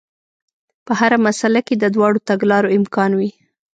په هره مسئله کې د دواړو تګلارو امکان وي.